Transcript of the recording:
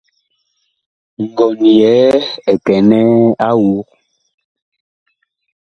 Ngɔn yɛɛ ɛ kɛnɛɛ a awug.